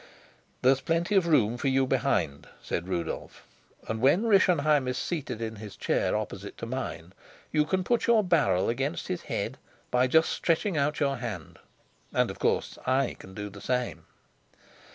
"There's plenty of room for you behind," said Rudolf; "And when Rischenheim is seated in his chair opposite to mine, you can put your barrel against his head by just stretching out your hand. And of course I can do the same."